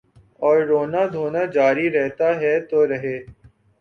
اوررونا دھونا جاری رہتاہے تو رہے۔